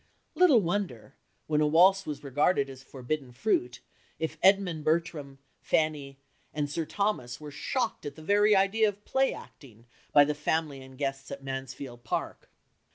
Little wonder, when a waltz was regarded as forbidden fruit, if Edmund Bertram, Fanny, and Sir Thomas were shocked at the very idea of play acting by the family and guests at Mansfield Park.